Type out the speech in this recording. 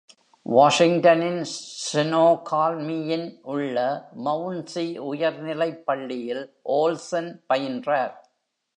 வாஷிங்டனின் ஸ்னோகால்மியில் உள்ள mount C உயர்நிலைப் பள்ளியில் ஓல்சன் பயின்றார்.